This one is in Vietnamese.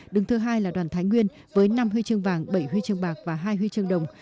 đứng thứ hai là đoàn thái nguyên với năm huy chương vàng bảy huy chương bạc và hai huy chương đồng